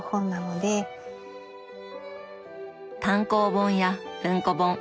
単行本や文庫本。